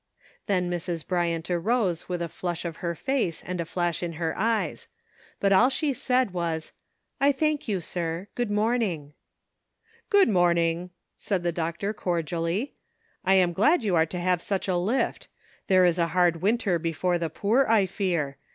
Then Mrs. Bryant arose with a flush on her face, and a flash in her eyes ; but all she said was, ''I thank you, sir; good morning." "Good morning," said the doctor cordially; " I am glad you are to have such a lift ; there is a hard winter before the poor, I fear.